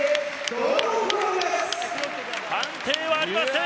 判定はありません。